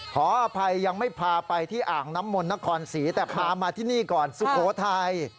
ขออภัยยังไม่พาไปที่อ่างน้ำมนต์นครศรีแต่พามาที่นี่ก่อนสุโขทัย